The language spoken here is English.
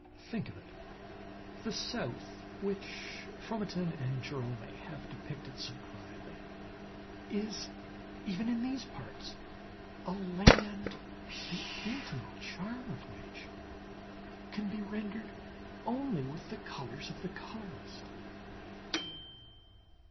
Think of it, the South which Fromentin and Gérome have depicted so dryly, is even in these parts a land the intimate charm of which can be rendered only with the colours of the colourist.